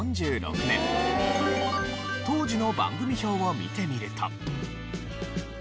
当時の番組表を見てみると。